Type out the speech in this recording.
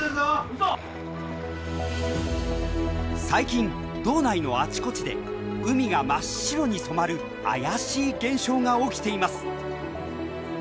最近道内のあちこちで海が真っ白に染まる怪しい現象が起きています。